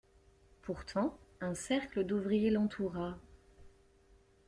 Pourtant un cercle d'ouvriers l'entoura.